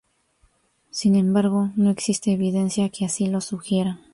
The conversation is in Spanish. Sin embargo, no existe evidencia que así lo sugiera.